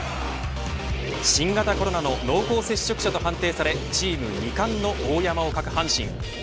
新型コロナの濃厚接触者と判定されチーム２冠の大山を欠く阪神。